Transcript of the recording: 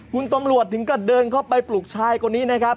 คุณตำรวจถึงก็เดินเข้าไปปลุกชายคนนี้นะครับ